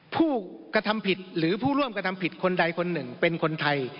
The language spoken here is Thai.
ผู้กระทำผิดหรือผู้ร่วมกระทำผิดคนใดคนหนึ่งเป็นคนไทย